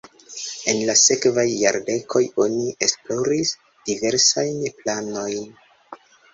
En la sekvaj jardekoj oni esploris diversajn planojn.